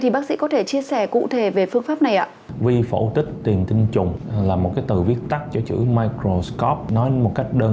bác sĩ có thể chia sẻ cụ thể về phương pháp này ạ